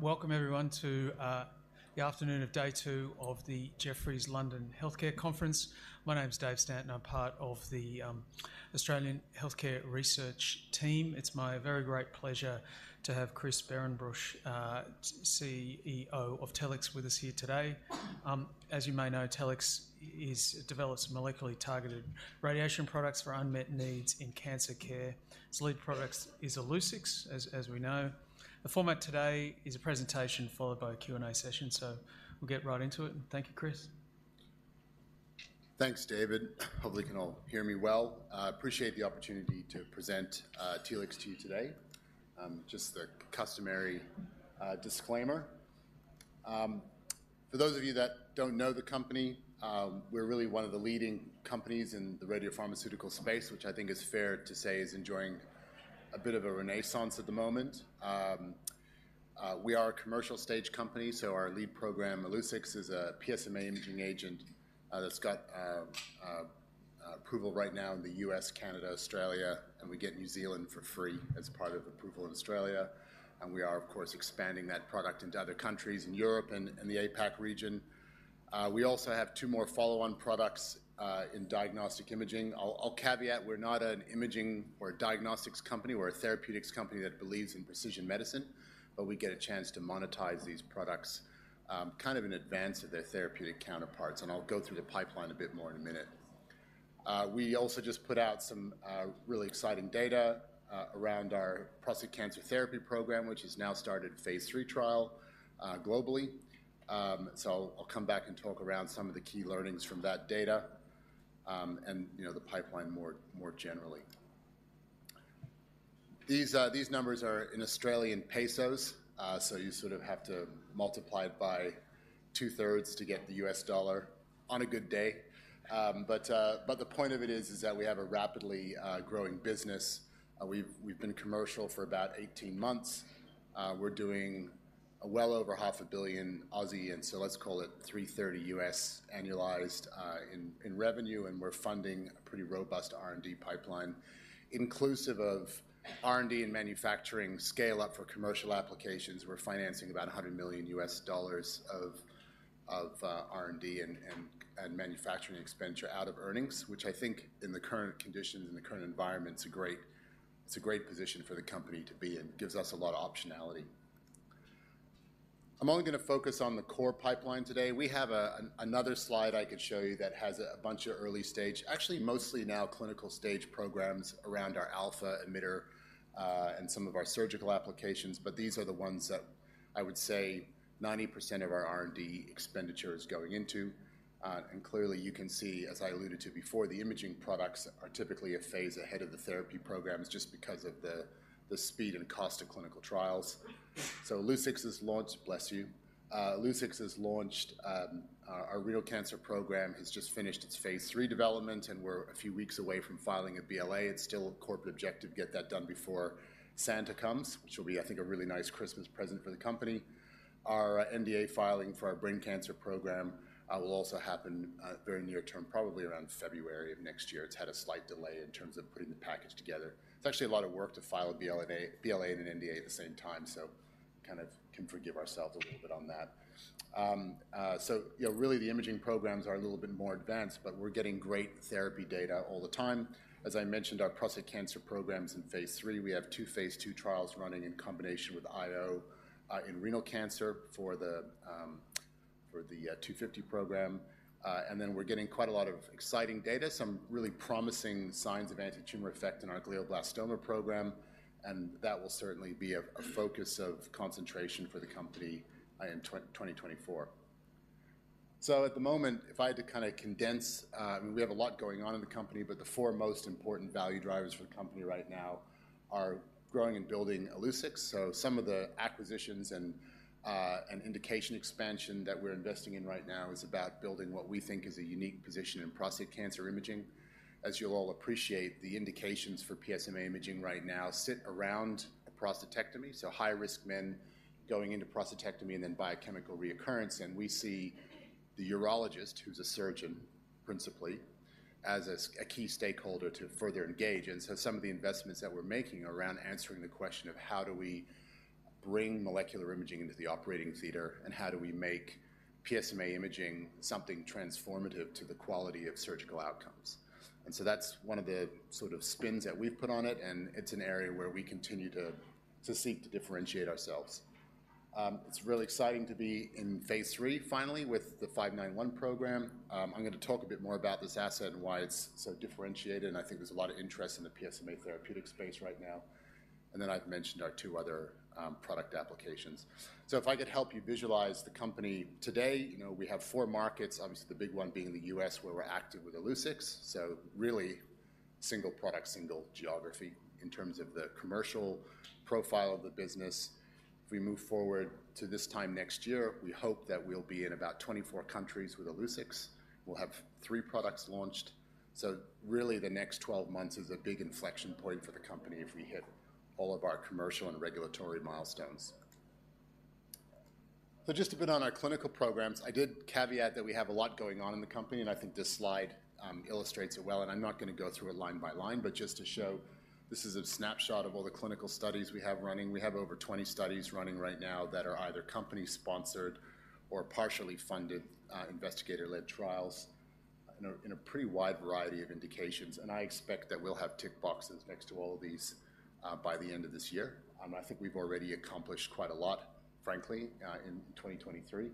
Welcome everyone to the afternoon of day two of the Jefferies London Healthcare Conference. My name's Dave Stanton. I'm part of the Australian Healthcare Research team. It's my very great pleasure to have Chris Behrenbruch, CEO of Telix, with us here today. As you may know, Telix develops molecularly targeted radiation products for unmet needs in cancer care. Its lead products is Illuccix, as we know. The format today is a presentation followed by a Q&A session so we'll get right into it, and thank you, Chris. Thanks, David. Hopefully, you can all hear me well. Appreciate the opportunity to present Telix to you today. Just the customary disclaimer. For those of you that don't know the company, we're really one of the leading companies in the radiopharmaceutical space, which I think is fair to say is enjoying a bit of a renaissance at the moment. We are a commercial stage company, so our lead program, Illuccix, is a PSMA imaging agent, that's got approval right now in the U.S., Canada, Australia, and we get New Zealand for free as part of approval in Australia, and we are, of course, expanding that product into other countries in Europe and the APAC region. We also have two more follow-on products in diagnostic imaging. I'll caveat we're not an imaging or a diagnostics company. We're a therapeutics company that believes in precision medicine, but we get a chance to monetize these products, kind of in advance of their therapeutic counterparts, and I'll go through the pipeline a bit more in a minute. We also just put out some, really exciting data, around our prostate cancer therapy program, which has now started phase III trial, globally. So I'll, I'll come back and talk around some of the key learnings from that data and, you know, the pipeline more, more generally. These, these numbers are in Australian dollars, so you sort of have to multiply it by 2/3 to get the U.S. dollar on a good day. But, but the point of it is, is that we have a rapidly growing business. We've, we've been commercial for about 18 months. We're doing well over 500 million, and so let's call it $330 million U.S. annualized in revenue, and we're funding a pretty robust R&D pipeline. Inclusive of R&D and manufacturing scale-up for commercial applications, we're financing about $100 million of R&D and manufacturing expenditure out of earnings, which I think in the current conditions, in the current environment, it's a great position for the company to be in. Gives us a lot of optionality. I'm only going to focus on the core pipeline today. We have another slide I could show you that has a bunch of early-stage, actually, mostly now clinical-stage programs around our alpha emitter and some of our surgical applications, but these are the ones that I would say 90% of our R&D expenditure is going into. Clearly, you can see, as I alluded to before, the imaging products are typically a phase ahead of the therapy programs just because of the speed and cost of clinical trials. So Illuccix is launched. Bless you. Illuccix is launched, our renal cancer program has just finished its phase III development, and we're a few weeks away from filing a BLA. It's still a corporate objective to get that done before Santa comes, which will be, I think, a really nice Christmas present for the company. Our NDA filing for our brain cancer program will also happen very near term, probably around February of next year. It's had a slight delay in terms of putting the package together. It's actually a lot of work to file a BLA, BLA and an NDA at the same time, so kind of can forgive ourselves a little bit on that. So, you know, really the imaging programs are a little bit more advanced but we're getting great therapy data all the time. As I mentioned, our prostate cancer program's in phase III. We have two phase II trials running in combination with IO in renal cancer for the TLX250 program, and then we're getting quite a lot of exciting data, some really promising signs of anti-tumor effect in our glioblastoma program, and that will certainly be a focus of concentration for the company in 2024. So at the moment, if I had to kind of condense. We have a lot going on in the company, but the four most important value drivers for the company right now are growing and building Illuccix. So some of the acquisitions and indication expansion that we're investing in right now is about building what we think is a unique position in prostate cancer imaging. As you'll all appreciate, the indications for PSMA imaging right now sit around a prostatectomy so high-risk men going into prostatectomy and then biochemical recurrence, and we see the urologist, who's a surgeon principally, as a key stakeholder to further engage. And so some of the investments that we're making are around answering the question of: How do we bring molecular imaging into the operating theater, and how do we make PSMA imaging something transformative to the quality of surgical outcomes? And so that's one of the sort of spins that we've put on it, and it's an area where we continue to seek to differentiate ourselves. It's really exciting to be in phase III finally with the TLX591 program. I'm going to talk a bit more about this asset and why it's so differentiated, and I think there's a lot of interest in the PSMA therapeutic space right now. And then I've mentioned our two other product applications. So if I could help you visualize the company today, you know, we have four markets, obviously, the big one being the U.S., where we're active with Illuccix. So really single product, single geography in terms of the commercial profile of the business. If we move forward to this time next year, we hope that we'll be in about 24 countries with Illuccix. We'll have three products launched, so really, the next 12 months is a big inflection point for the company if we hit all of our commercial and regulatory milestones. So just a bit on our clinical programs. I did caveat that we have a lot going on in the company, and I think this slide illustrates it well, and I'm not going to go through it line by line but just to show this is a snapshot of all the clinical studies we have running. We have over 20 studies running right now that are either company-sponsored or partially funded investigator-led trials in a pretty wide variety of indications, and I expect that we'll have tick boxes next to all of these by the end of this year. I think we've already accomplished quite a lot, frankly, in 2023.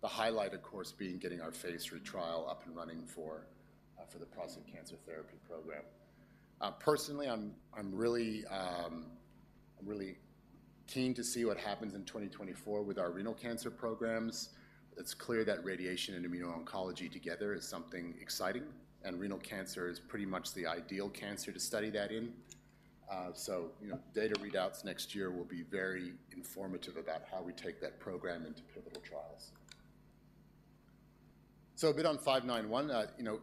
The highlight, of course, being getting our phase III trial up and running for the prostate cancer therapy program. Personally, I'm really keen to see what happens in 2024 with our renal cancer programs. It's clear that radiation and immuno-oncology together is something exciting, and renal cancer is pretty much the ideal cancer to study that in. So, you know, data readouts next year will be very informative about how we take that program into pivotal trials. So a bit on TLX591. You know,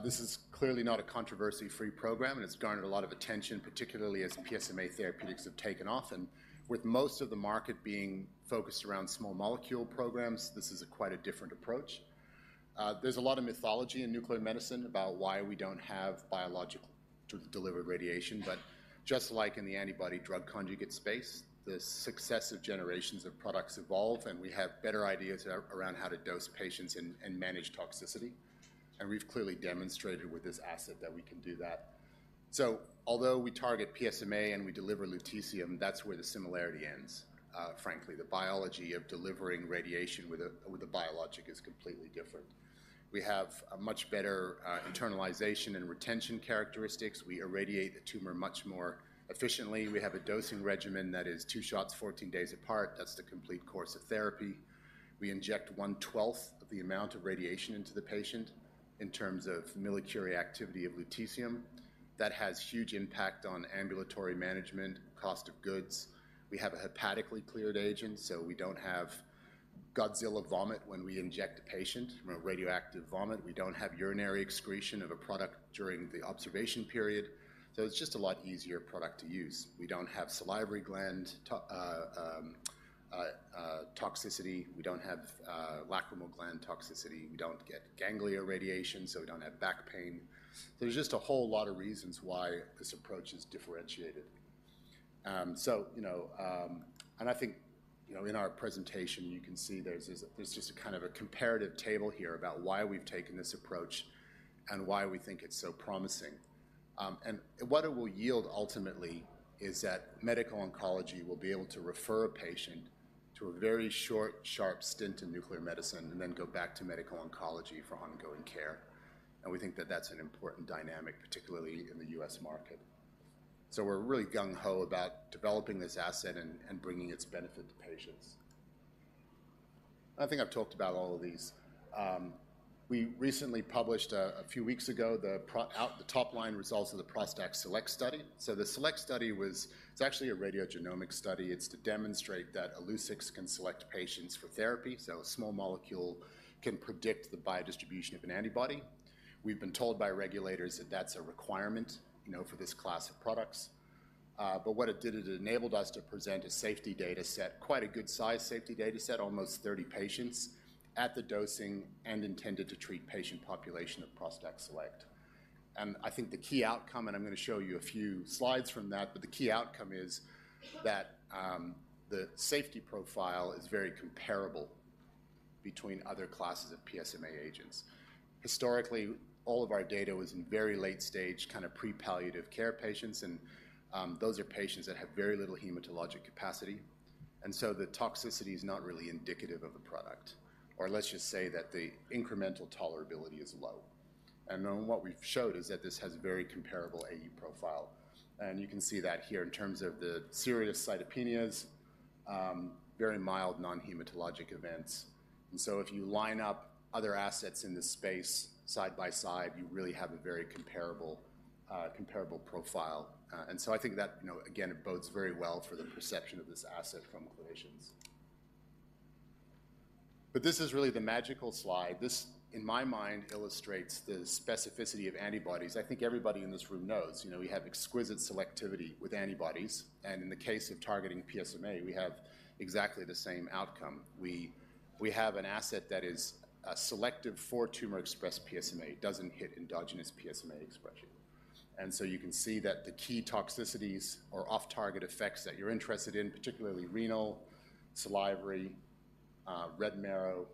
this is clearly not a controversy-free program, and it's garnered a lot of attention, particularly as PSMA therapeutics have taken off, and with most of the market being focused around small molecule programs, this is quite a different approach. There's a lot of mythology in nuclear medicine about why we don't have biologics to deliver radiation, but just like in the antibody-drug conjugate space, the successive generations of products evolve, and we have better ideas around how to dose patients and manage toxicity. We've clearly demonstrated with this asset that we can do that. Although we target PSMA and we deliver lutetium, that's where the similarity ends. Frankly, the biology of delivering radiation with a biologic is completely different. We have a much better internalization and retention characteristics. We irradiate the tumor much more efficiently. We have a dosing regimen that is two shots, 14 days apart. That's the complete course of therapy. We inject 1/12 of the amount of radiation into the patient in terms of millicurie activity of lutetium. That has huge impact on ambulatory management, cost of goods. We have a hepatically cleared agent, so we don't have Godzilla vomit when we inject a patient from a radioactive vomit. We don't have urinary excretion of a product during the observation period, so it's just a lot easier product to use. We don't have salivary gland toxicity. We don't have lacrimal gland toxicity. We don't get ganglia radiation, so we don't have back pain. There's just a whole lot of reasons why this approach is differentiated. So, you know, and I think, you know, in our presentation, you can see there's, there's just a kind of a comparative table here about why we've taken this approach and why we think it's so promising. And what it will yield ultimately is that medical oncology will be able to refer a patient to a very short, sharp stint in nuclear medicine and then go back to medical oncology for ongoing care. And we think that that's an important dynamic, particularly in the U.S. market. So we're really gung ho about developing this asset and bringing its benefit to patients. I think I've talked about all of these. We recently published a few weeks ago the top line results of the ProstACT SELECT study. So the SELECT study is actually a radiogenomic study. It's to demonstrate that Illuccix can select patients for therapy, so a small molecule can predict the biodistribution of an antibody. We've been told by regulators that that's a requirement, you know, for this class of products. But what it did, it enabled us to present a safety data set, quite a good size safety data set, almost 30 patients at the dosing and intended to treat patient population of ProstACT SELECT. And I think the key outcome, and I'm going to show you a few slides from that, but the key outcome is that, the safety profile is very comparable between other classes of PSMA agents. Historically, all of our data was in very late stage, kind of pre-palliative care patients and, those are patients that have very little hematologic capacity. And so the toxicity is not really indicative of a product, or let's just say that the incremental tolerability is low. And then what we've showed is that this has a very comparable AE profile, and you can see that here in terms of the serious cytopenias, very mild non-hematologic events. And so if you line up other assets in this space side by side, you really have a very comparable, comparable profile. And so I think that, you know, again, it bodes very well for the perception of this asset from clinicians. But this is really the magical slide. This, in my mind, illustrates the specificity of antibodies. I think everybody in this room knows, you know, we have exquisite selectivity with antibodies, and in the case of targeting PSMA, we have exactly the same outcome. We have an asset that is selective for tumor-expressed PSMA. It doesn't hit endogenous PSMA expression. You can see that the key toxicities or off-target effects that you're interested in, particularly renal, salivary, red marrow,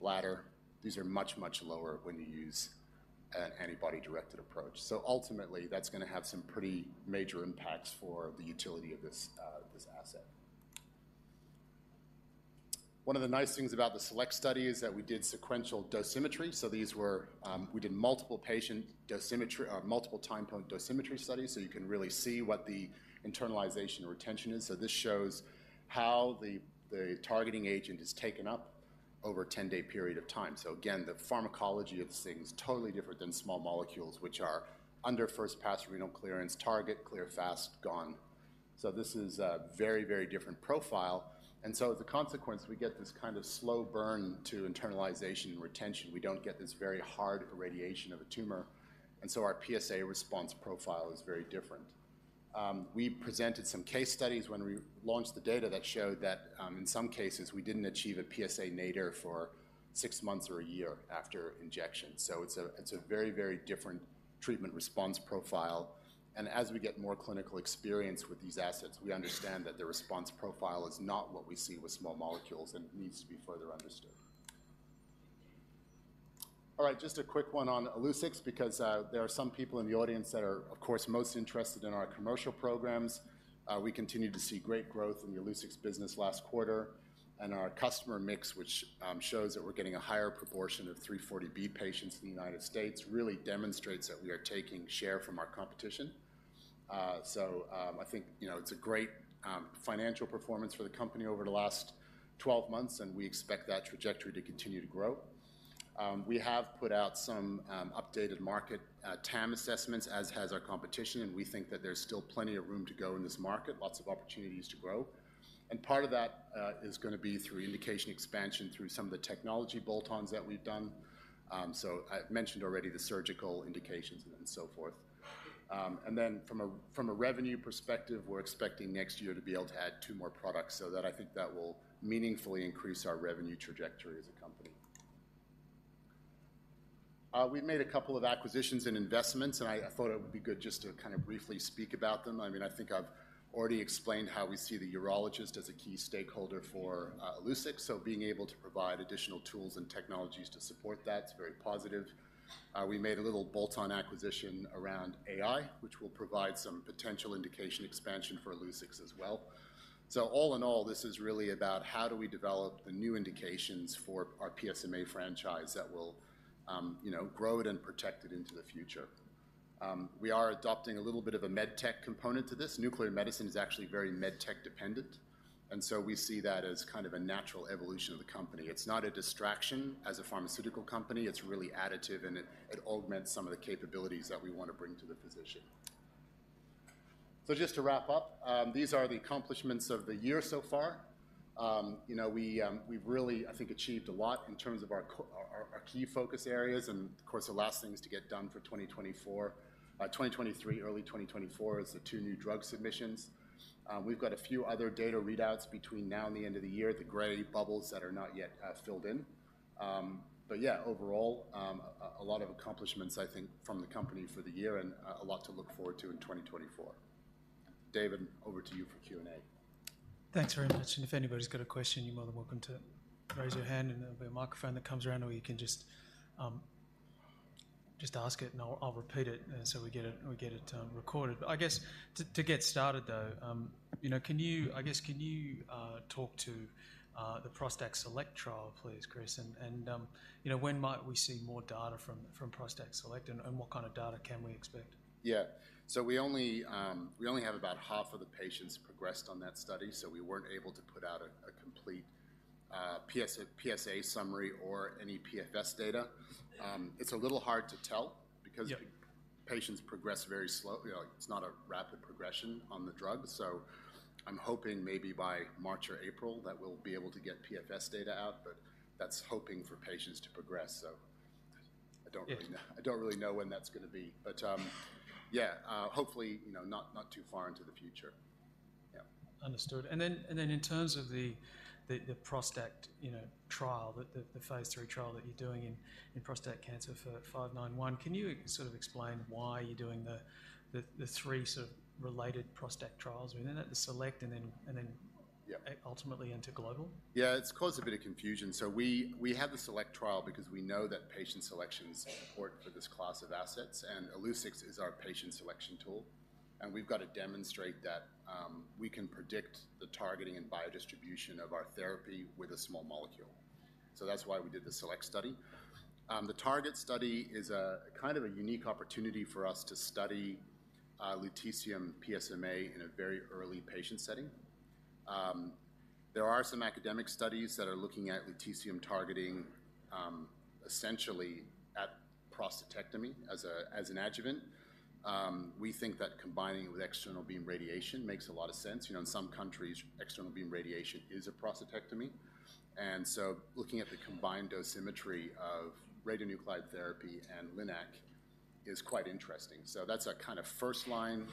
bladder, these are much, much lower when you use an antibody-directed approach. So ultimately, that's going to have some pretty major impacts for the utility of this, this asset. One of the nice things about the SELECT study is that we did sequential dosimetry. So these were, we did multiple patient dosimetry, or multiple time point dosimetry studies, so you can really see what the internalization or retention is. So this shows how the targeting agent is taken up over a 10-day period of time. So again, the pharmacology of this thing is totally different than small molecules, which are under first-pass renal clearance, target, clear, fast, gone. So this is a very, very different profile. And so the consequence, we get this kind of slow burn to internalization and retention. We don't get this very hard irradiation of a tumor and so our PSA response profile is very different. We presented some case studies when we launched the data that showed that, in some cases, we didn't achieve a PSA nadir for six months or a year after injection. So it's a, it's a very, very different treatment response profile, and as we get more clinical experience with these assets, we understand that the response profile is not what we see with small molecules and needs to be further understood. All right, just a quick one on Illuccix, because there are some people in the audience that are, of course, most interested in our commercial programs. We continued to see great growth in the Illuccix business last quarter, and our customer mix, which shows that we're getting a higher proportion of 340B patients in the United States, really demonstrates that we are taking share from our competition. So, I think, you know, it's a great financial performance for the company over the last 12 months, and we expect that trajectory to continue to grow. We have put out some updated market TAM assessments, as has our competition, and we think that there's still plenty of room to go in this market, lots of opportunities to grow. And part of that is gonna be through indication expansion through some of the technology bolt-ons that we've done. So I've mentioned already the surgical indications and so forth. From a revenue perspective, we're expecting next year to be able to add two more products, so that I think that will meaningfully increase our revenue trajectory as a company. We've made a couple of acquisitions and investments, and I thought it would be good just to kind of briefly speak about them. I mean, I think I've already explained how we see the urologist as a key stakeholder for Illuccix, so being able to provide additional tools and technologies to support that is very positive. We made a little bolt-on acquisition around AI, which will provide some potential indication expansion for Illuccix as well. So all in all, this is really about how do we develop the new indications for our PSMA franchise that will, you know, grow it and protect it into the future. We are adopting a little bit of a med tech component to this. Nuclear medicine is actually very med tech dependent, and so we see that as kind of a natural evolution of the company. It's not a distraction as a pharmaceutical company. It's really additive, and it augments some of the capabilities that we want to bring to the physician. So just to wrap up, these are the accomplishments of the year so far. You know, we've really, I think, achieved a lot in terms of our key focus areas, and of course, the last thing is to get done for 2024, 2023, early 2024 is the 2 new drug submissions. We've got a few other data readouts between now and the end of the year, the gray bubbles that are not yet filled in. But yeah, overall, a lot of accomplishments, I think, from the company for the year and a lot to look forward to in 2024. David, over to you for Q&A. Thanks very much, and if anybody's got a question, you're more than welcome to raise your hand and there'll be a microphone that comes around, or you can just ask it, and I'll repeat it so we get it recorded. But I guess to get started, though, you know, can you, I guess can you talk to the ProstACT SELECT trial, please, Chris? And you know, when might we see more data from ProstACT SELECT, and what kind of data can we expect? Yeah. So we only have about half of the patients progressed on that study, so we weren't able to put out a complete PSA summary or any PFS data. It's a little hard to tell. Yeah. Because patients progress very slowly. Like, it's not a rapid progression on the drug, so I'm hoping maybe by March or April that we'll be able to get PFS data out, but that's hoping for patients to progress. So I don't really know. Yeah. I don't really know when that's gonna be, but, yeah, hopefully, you know, not too far into the future. Yeah. Understood. And then in terms of the ProstACT, you know, trial, the phase III trial that you're doing in prostate cancer for TLX591, can you sort of explain why you're doing the three sort of related ProstACT trials within it, the SELECT and then ultimately into global? Yeah, it's caused a bit of confusion. So we have the SELECT trial because we know that patient selection is important for this class of assets, and Illuccix is our patient selection tool, and we've got to demonstrate that we can predict the targeting and biodistribution of our therapy with a small molecule. So that's why we did the SELECT study. The Target study is a kind of a unique opportunity for us to study lutetium PSMA in a very early patient setting. There are some academic studies that are looking at lutetium targeting essentially at prostatectomy as an adjuvant. We think that combining it with external beam radiation makes a lot of sense. You know, in some countries, external beam radiation is a prostatectomy, and so looking at the combined dosimetry of radionuclide therapy and LINAC is quite interesting. So that's a kind of first-line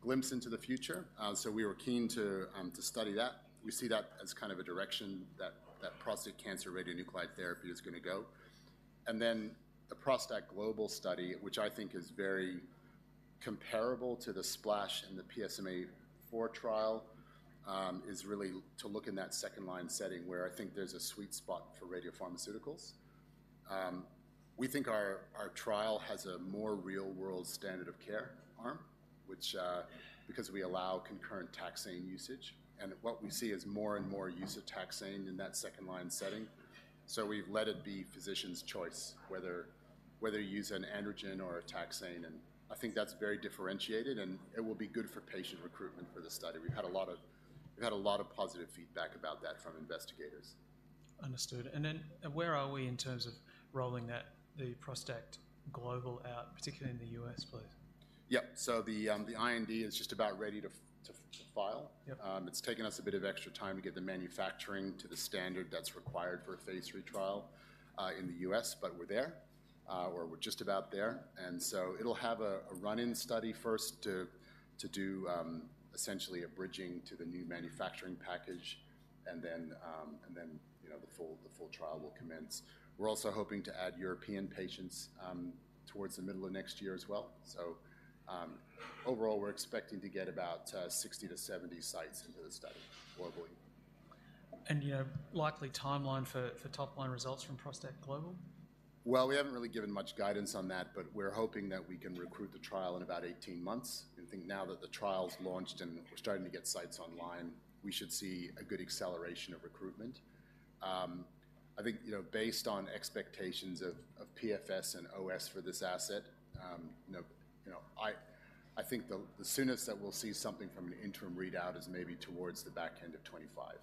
glimpse into the future. So we were keen to study that. We see that as kind of a direction that prostate cancer radionuclide therapy is gonna go. And then the ProstACT GLOBAL study, which I think is very comparable to the SPLASH and the PSMAfore trial, is really to look in that second-line setting where I think there's a sweet spot for radiopharmaceuticals. We think our trial has a more real-world standard of care arm, which, because we allow concurrent taxane usage, and what we see is more and more use of taxane in that second-line setting. So we've let it be physician's choice, whether you use an androgen or a taxane, and I think that's very differentiated, and it will be good for patient recruitment for the study. We've had a lot of positive feedback about that from investigators. Understood. Then, where are we in terms of rolling that, the ProstACT GLOBAL out, particularly in the U.S., please? Yep. So the IND is just about ready to file. Yep. It's taken us a bit of extra time to get the manufacturing to the standard that's required for a phase III trial in the U.S. but we're there, or we're just about there. And so it'll have a run-in study first to do essentially a bridging to the new manufacturing package, and then, and then, you know, the full trial will commence. We're also hoping to add European patients towards the middle of next year as well. So overall, we're expecting to get about 60-70 sites into the study globally. You know, likely timeline for top-line results from ProstACT GLOBAL? Well, we haven't really given much guidance on that but we're hoping that we can recruit the trial in about 18 months. I think now that the trial's launched and we're starting to get sites online, we should see a good acceleration of recruitment. I think, you know, based on expectations of PFS and OS for this asset, you know, I think the soonest that we'll see something from an interim readout is maybe towards the back end of 2025.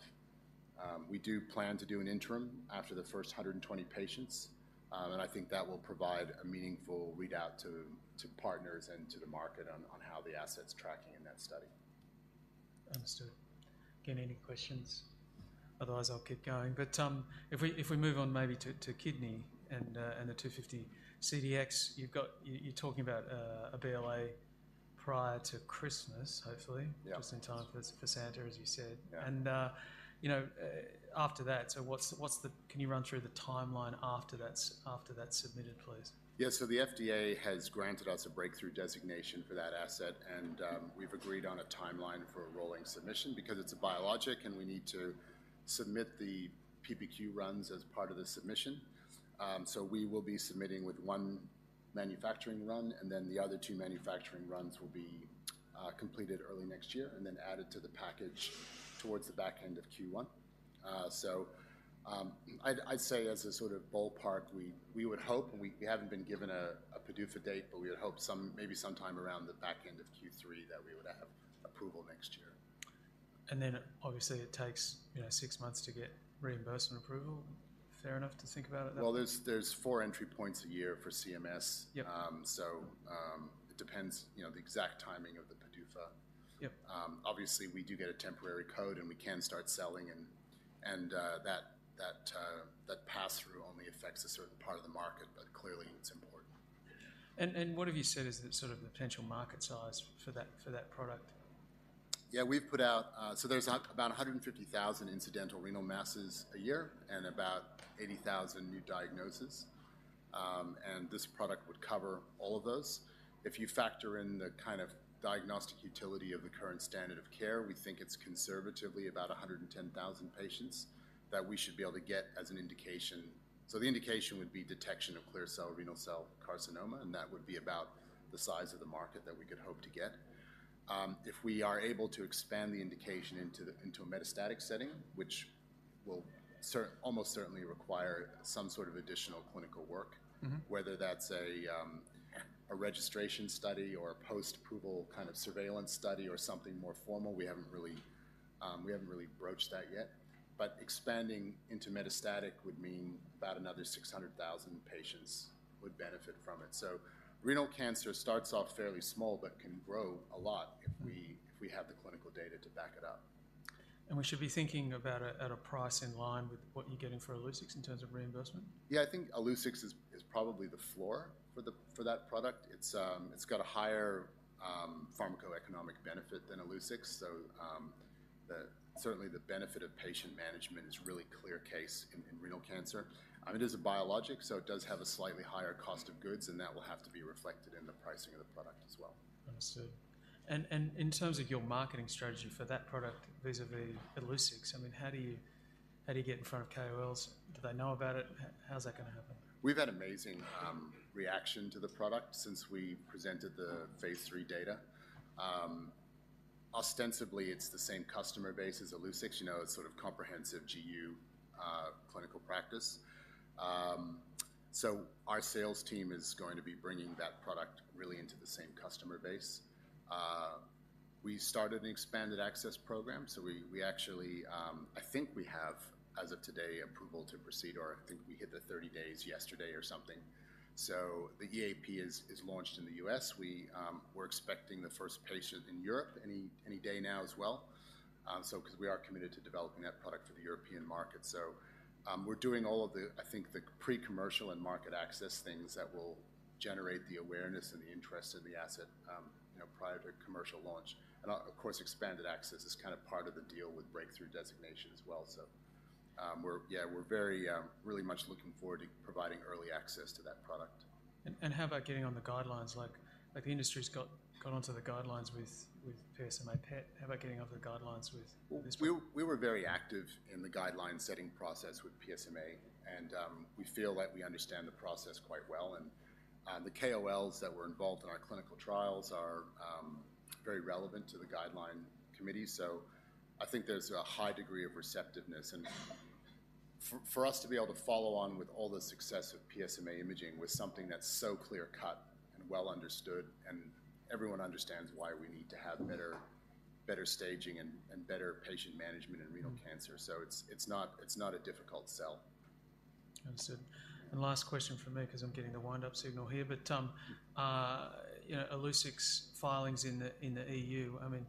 We do plan to do an interim after the first 120 patients, and I think that will provide a meaningful readout to partners and to the market on how the asset's tracking in that study. Understood. Again, any questions? Otherwise, I'll keep going. But if we move on maybe to kidney and the TLX250-CDx, you've got, you're talking about a BLA prior to Christmas, hopefully. Yeah. Just in time for Santa, as you said. Yeah. You know, after that, so what's the, Can you run through the timeline after that's submitted, please? Yeah. So the FDA has granted us a breakthrough designation for that asset, and we've agreed on a timeline for a rolling submission because it's a biologic, and we need to submit the PPQ runs as part of the submission. So we will be submitting with 1 manufacturing run, and then the other two manufacturing runs will be completed early next year and then added to the package towards the back end of Q1. So I'd say as a sort of ballpark, we would hope, and we haven't been given a PDUFA date, but we would hope maybe sometime around the back end of Q3 that we would have approval next year. Obviously, it takes, you know, six months to get reimbursement approval. Fair enough to think about it that way? Well, there's four entry points a year for CMS. Yep. So it depends, you know, the exact timing of the PDUFA. Yep. Obviously, we do get a temporary code, and we can start selling and that pass-through only affects a certain part of the market, but clearly, it's important. And what have you said is the sort of potential market size for that, for that product? Yeah, we've put out, so there's about 150,000 incidental renal masses a year and about 80,000 new diagnoses, and this product would cover all of those. If you factor in the kind of diagnostic utility of the current standard of care, we think it's conservatively about 110,000 patients that we should be able to get as an indication. So the indication would be detection of clear cell renal cell carcinoma, and that would be about the size of the market that we could hope to get. If we are able to expand the indication into a metastatic setting, which will almost certainly require some sort of additional clinical work. Mm-hmm. Whether that's a, a registration study or a post-approval kind of surveillance study or something more formal, we haven't really, we haven't really broached that yet. But expanding into metastatic would mean about another 600,000 patients would benefit from it. So renal cancer starts off fairly small but can grow a lot if we have the clinical data to back it up. We should be thinking about it at a price in line with what you're getting for Illuccix in terms of reimbursement? Yeah, I think Illuccix is probably the floor for that product. It's got a higher pharmacoeconomic benefit than Illuccix, so certainly, the benefit of patient management is really clear case in renal cancer. It is a biologic, so it does have a slightly higher cost of goods, and that will have to be reflected in the pricing of the product as well. Understood. And in terms of your marketing strategy for that product vis-a-vis Illuccix, I mean, how do you get in front of KOLs? Do they know about it? How's that gonna happen? We've had amazing reaction to the product since we presented the phase III data. Ostensibly, it's the same customer base as Illuccix, you know, a sort of comprehensive GU clinical practice. So our sales team is going to be bringing that product really into the same customer base. We started an expanded access program so we actually, I think we have, as of today, approval to proceed, or I think we hit the 30 days yesterday or something. So the EAP is launched in the U.S. We're expecting the first patient in Europe any day now as well. So because we are committed to developing that product for the European market. So we're doing all of the, I think, the pre-commercial and market access things that will generate the awareness and the interest in the asset, you know, prior to commercial launch. And, of course, expanded access is kind of part of the deal with breakthrough designation as well. So, we're, yeah, we're very, really much looking forward to providing early access to that product. And how about getting on the guidelines? Like, the industry's got onto the guidelines with PSMA PET. How about getting on the guidelines with this one? We were very active in the guideline setting process with PSMA, and we feel like we understand the process quite well. And the KOLs that were involved in our clinical trials are very relevant to the guideline committee, so I think there's a high degree of receptiveness. And for us to be able to follow on with all the success of PSMA imaging with something that's so clear-cut and well understood, and everyone understands why we need to have better staging and better patient management in renal cancer. So it's not a difficult sell. Understood. Last question from me because I'm getting the wind-up signal here, but, you know, Illuccix's filings in the, in the EU, I mean.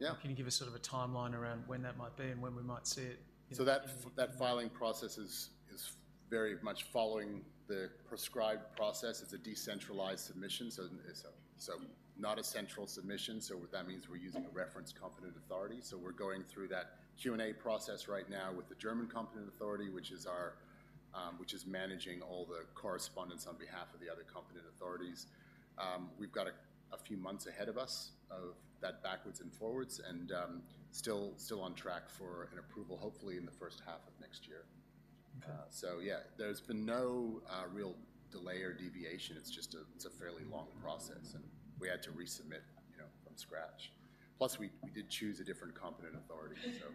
Yeah. Can you give us sort of a timeline around when that might be and when we might see it? So that filing process is very much following the prescribed process. It's a decentralized submission so not a central submission. So what that means, we're using a reference Competent Authority. So we're going through that Q&A process right now with the German Competent Authority, which is our, which is managing all the correspondence on behalf of the other competent authorities. We've got a few months ahead of us of that backwards and forwards and, still on track for an approval hopefully in the first half of next year. Okay. So yeah, there's been no real delay or deviation. It's just a fairly long process, and we had to resubmit, you know, from scratch. Plus, we did choose a different Competent Authority. So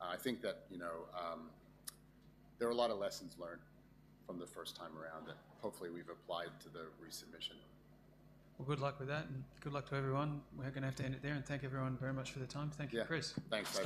I think that, you know, there are a lot of lessons learned from the first time around that hopefully we've applied to the resubmission. Well, good luck with that, and good luck to everyone. We're gonna have to end it there, and thank you everyone very much for the time. Yeah. Thank you, Chris. Thanks.